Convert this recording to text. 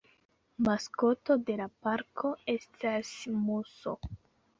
Maskoto de la parko estas muso.